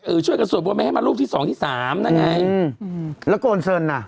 ช่วยกันสวดบนไม่ให้มารูปที่สองที่สามนั่นไงอืมแล้วโกนเซินอ่ะ